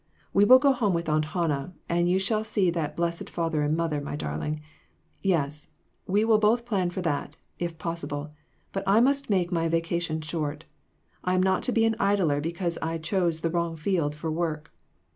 We will go home with Aunt Hannah, and you shall see that blessed father and mother, my darling; yes, we will both plan for that, if possible, but I must make my vacation short ; I am not to be an idler because I chose the wrong "field for work.